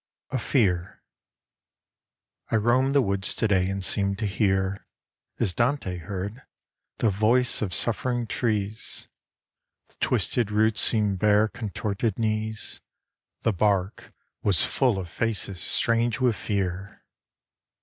A FEAR I ROAMED the woods to day and seemed to hear, As Dante heard, the voice of suffering trees. The twisted roots seemed bare contorted knees. The bark was full of faces strange with fear.